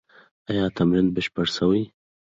ایا تمرین بشپړ سوی؟